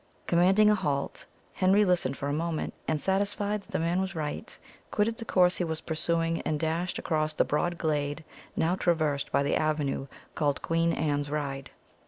Commanding a halt, Henry listened for a moment, and, satisfied that the man was right, quitted the course he was pursuing, and dashed across the broad glade now traversed by the avenue called Queen Anne's Ride.